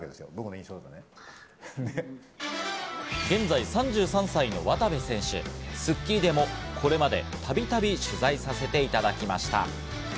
現在３３歳の渡部選手、『スッキリ』でもこれまでたびたび取材させていただきました。